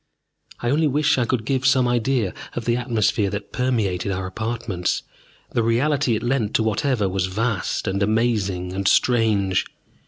I only wish I could give some idea of the atmosphere that permeated our apartments, the reality it lent to whatever was vast and amazing and strange.